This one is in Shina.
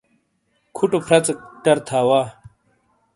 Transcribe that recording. کھُوٹو فَرَژیک ٹَر تھا وا۔